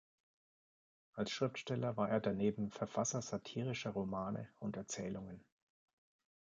Als Schriftsteller war er daneben Verfasser satirischer Romane und Erzählungen.